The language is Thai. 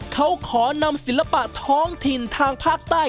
เขาขอนำศิลปะท้องถิ่นทางภาคใต้